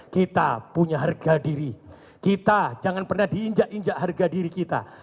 kita punya harga diri kita jangan pernah diinjak injak harga diri kita